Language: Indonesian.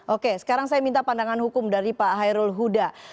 oke sekarang saya minta pandangan hukum dari pak hairul huda